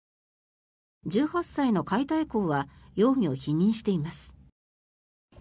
１８歳の解体工は容疑を否認しています。